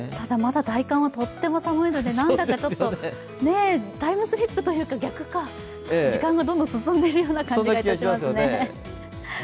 ただ、まだ大寒はとても寒いのでなんだかちょっと、タイムスリップというか逆か時間が進んでいる感じがしますね。